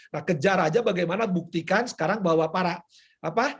nah kejar aja bagaimana buktikan sekarang bahwa para apa